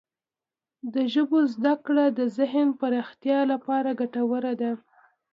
د ژبو زده کړه د ذهن پراختیا لپاره ګټوره ده.